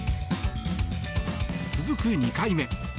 続く２回目。